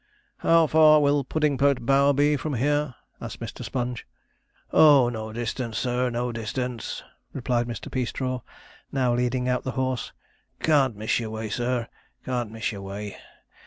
'How far will Puddingpote Bower be from here?' asked Mr. Sponge. 'Oh, no distance, sir, no distance,' replied Mr. Peastraw, now leading out the horse. 'Can't miss your way, sir can't miss your way.